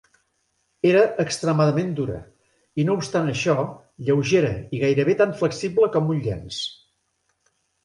Era extremadament dura i no obstant això, lleugera i gairebé tan flexible com un llenç.